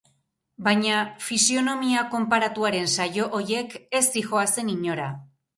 Baina fisionomia konparatuaren saio horiek ez zihoazen inora.